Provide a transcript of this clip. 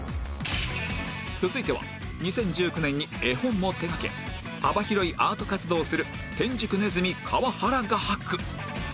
続いては２０１９年に絵本も手掛け幅広いアート活動をする天竺鼠川原画伯